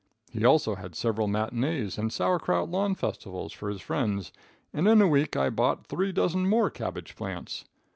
He also had several matinees and sauerkraut lawn festivals for his friends, and in a week I bought three dozen more cabbage plants.